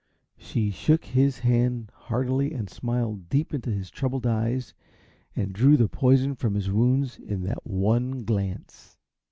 She shook his hand heartily and smiled deep into his troubled eyes, and drew the poison from his wounds in that one glance.